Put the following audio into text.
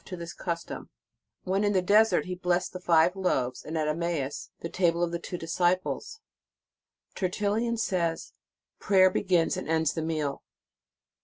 247 to this custom, when in the desert He blessed the five loaves, and at Emmaus, the table of the two disciples."* Tertullian says: "Prayer begins and ends the meal."